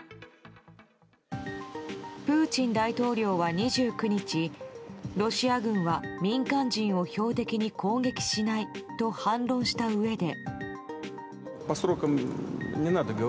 プーチン大統領は２９日ロシア軍は民間人を標的に攻撃しないと反論したうえで。